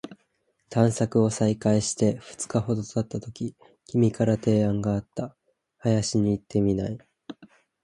探索を再開して二日ほど経ったとき、君から提案があった。「林に行ってみない？」